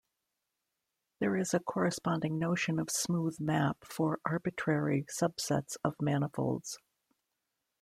There is a corresponding notion of smooth map for arbitrary subsets of manifolds.